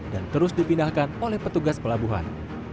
dan terus dipindahkan oleh petugas pelabuhan